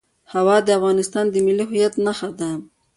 هوا د افغانستان د ملي هویت نښه ده.